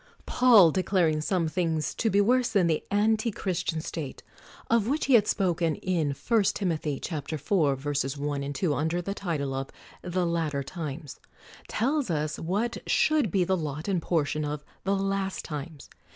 Paul declaring some things to be worse than the antichristian state (of which he had spoken in I. Tim. iv : 1, 2, under the title of the Latter Times), tells us what should be the lot and portion of the Last Times.